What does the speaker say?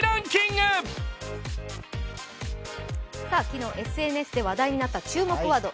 昨日ＳＮＳで話題になった注目ワード。